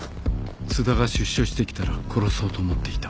津田が出所してきたら殺そうと思っていた。